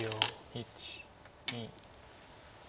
１２。